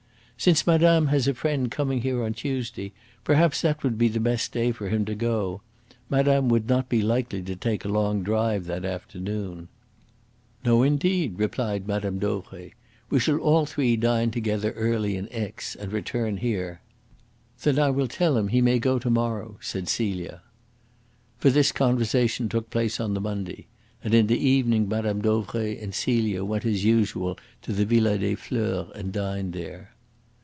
"Since madame has a friend coming here on Tuesday, perhaps that would be the best day for him to go. Madame would not be likely to take a long drive that afternoon." "No, indeed," replied Mme. Dauvray. "We shall all three dine together early in Aix and return here." "Then I will tell him he may go to morrow," said Celia. For this conversation took place on the Monday, and in the evening Mme. Dauvray and Celia went as usual to the Villa des Fleurs and dined there.